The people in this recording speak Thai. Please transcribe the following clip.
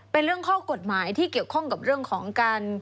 เป็นเรื่องข้อกฎหมายที่เกี่ยวข้องกับเรื่องของการ